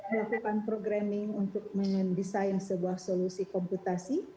melakukan programming untuk mendesain sebuah solusi komputasi